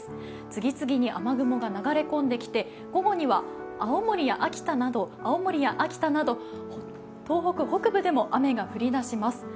次々に雨雲が流れ込んできて午後には青森や秋田など東北北部でも雨が降り出します。